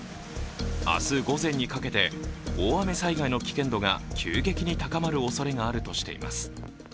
明日午前にかけて、大雨災害の危険度が急激に高まるおそれがあるとしています。